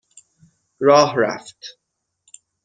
راه رفت